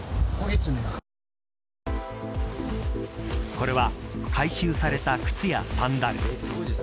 これは回収された靴やサンダル。